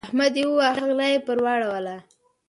احمد يې وواهه؛ غلا يې پر واړوله.